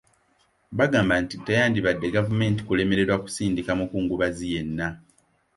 Bagamba nti teyandibadde gavumenti kulemererwa okusindika omukungubazi yenna.